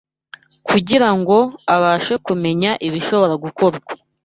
kugirango abashe kumenya ibishobora gukorwa